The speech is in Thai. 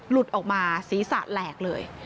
หลุดออกมาศีรษะแหลกเลย